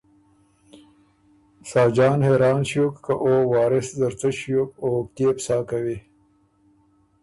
ساجان حېران ݭیوک که او وارث زر څه ݭیوک او کيې بو سا کوی۔